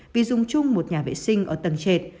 vì dùng chung một nhà vệ sinh ở tầng trệt